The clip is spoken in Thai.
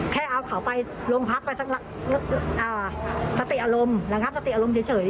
แค่เอาเขาไปลงพักสติอารมณ์เฉย